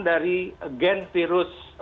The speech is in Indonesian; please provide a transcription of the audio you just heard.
dari gen virus